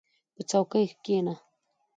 • په چوکۍ کښېنه.